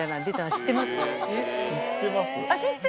知ってます？